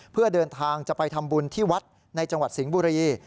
เพื่อเดินทางจะไปทำบุญที่วัดในจังหวัดสิงห์บุรี